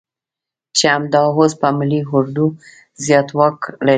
چې همدا اوس په ملي اردو زيات واک لري.